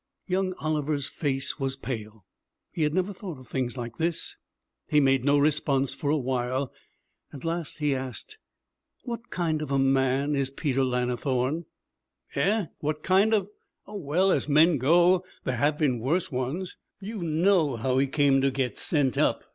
Young Oliver's face was pale. He had never thought of things like this. He made no response for a while. At last he asked, 'What kind of a man is Peter Lannithorne?' 'Eh? What kind of ? Oh, well, as men go, there have been worse ones. You know how he came to get sent up.